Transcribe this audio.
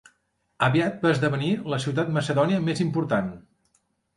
Aviat va esdevenir la ciutat macedònia més important.